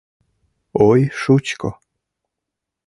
Ой, шучко!..